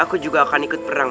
aku juga akan ikut perang